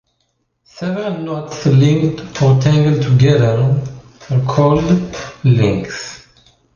Several knots, linked or tangled together, are called links.